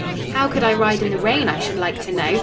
"How could I ride in the rain, I should like to know.